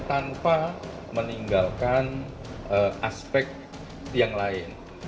tanpa meninggalkan aspek yang lain